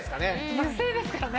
油性ですからね。